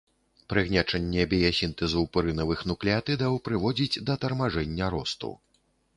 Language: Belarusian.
Прыгнечанне біясінтэзу пурынавых нуклеатыдаў прыводзіць да тармажэння росту.